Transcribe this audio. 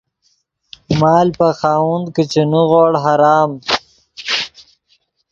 مال پے خاوند کہ چے نیغوڑ حرام